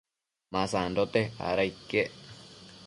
ma sandote, ada iquec